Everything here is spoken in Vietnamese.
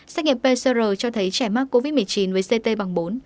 xác nghiệp pcr cho thấy trẻ mắc covid một mươi chín với ct bằng bốn